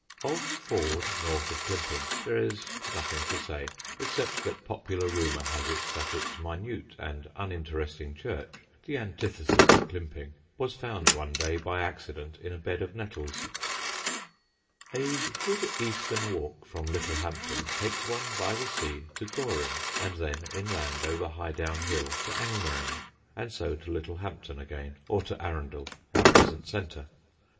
Of Ford, north of Climping, there is nothing to say, except that popular rumour has it that its minute and uninteresting church (the antithesis of Climping) was found one day by accident in a bed of nettles. [Sidenote: JEFFERIES IN SUSSEX] A good eastern walk from Littlehampton takes one by the sea to Goring, and then inland over Highdown Hill to Angmering, and so to Littlehampton again or to Arundel, our present centre.